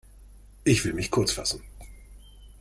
Ich will mich kurz fassen.